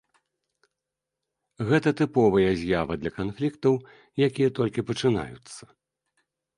Гэта тыповая з'ява для канфліктаў, якія толькі пачынаюцца.